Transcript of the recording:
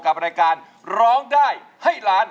กับรายการร้องได้ให้ล้าน